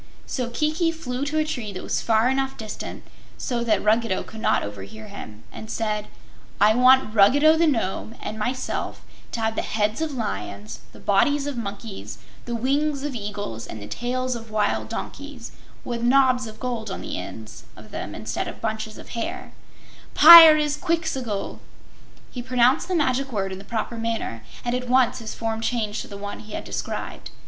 So Kiki flew to a tree that was far enough distant so that Ruggedo could not overhear him and said: "I want Ruggedo, the Nome, and myself to have the heads of lions, the bodies of monkeys, the wings of eagles and the tails of wild asses, with knobs of gold on the ends of them instead of bunches of hair Pyrzqxgl!" He pronounced the magic word in the proper manner and at once his form changed to the one he had described.